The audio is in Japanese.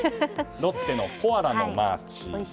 ロッテのコアラのマーチ。